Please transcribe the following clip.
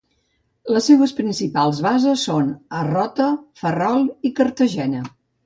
Les seues principals bases són a Rota, Ferrol i Cartagena.